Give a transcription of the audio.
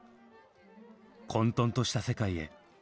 混とんとした世界へ。